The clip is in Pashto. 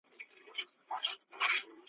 شور به سي پورته له ګل غونډیو `